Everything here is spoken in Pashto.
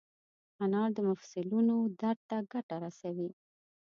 انار د مفصلونو درد ته ګټه رسوي.